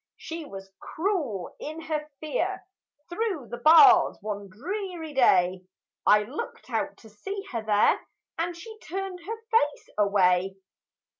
She was cruel in her fear; Through the bars one dreary day, I looked out to see her there, And she turned her face away!